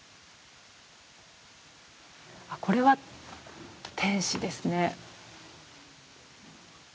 これは天使ですね。